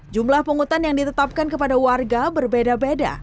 jumlah penghutan yang ditetapkan kepada warga berbeda beda